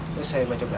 terus saya baca balik